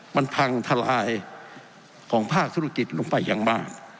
มันพังทลายของภาคธุรกิจลงไปอย่างมาก